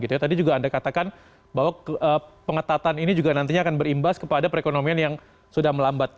tadi juga anda katakan bahwa pengetatan ini juga nantinya akan berimbas kepada perekonomian yang sudah melambat